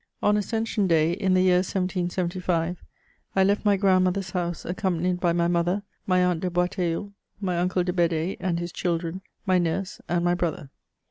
On Ascension day, in the year 1775, I left my grand mother's house, accompanied by my mother, my aunt de Boisteilleul, my uncle de Bed^, and his children, my nurse, and my brother.